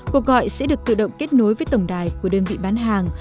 cuộc gọi sẽ được tự động kết nối với tổng đài của đơn vị bán hàng